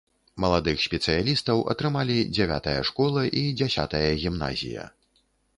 Маладых спецыялістаў атрымалі дзявятая школа і дзясятая гімназія.